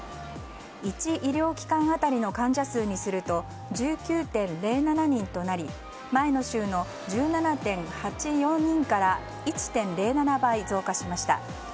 １医療機関当たりの患者数にすると１９．０７人となり前の週の１７．８４人から１．０７倍増加しました。